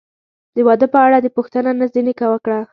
د واده په اړه دې پوښتنه نه ځنې وکړه؟